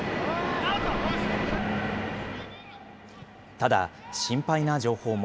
ただ、心配な情報も。